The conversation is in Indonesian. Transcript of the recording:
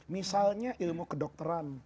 misalnya ilmu kedokteran